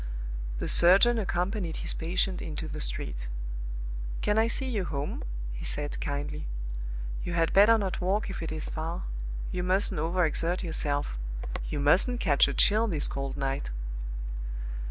The surgeon accompanied his patient into the street. "Can I see you home?" he said, kindly. "You had better not walk, if it is far. You mustn't overexert yourself; you mustn't catch a chill this cold night."